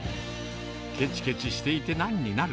けちけちしていてなんになる。